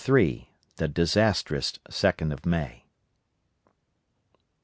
THE DISASTROUS SECOND OF MAY.